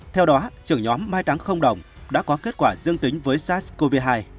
theo đó trưởng nhóm mai táng không đồng đã có kết quả dương tính với sars cov hai